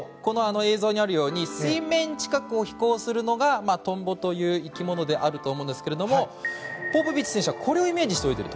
映像にあるように水面近くを飛行するのがトンボという生き物であると思うんですけれどもポポビッチ選手はこれをイメージして泳いでいる。